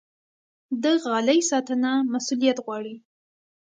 د غالۍ ساتنه مسوولیت غواړي.